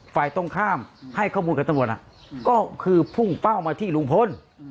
ฝ่ายตรงข้ามให้ข้อมูลกับตำรวจก็คือพุ่งเป้ามาที่ลุงพล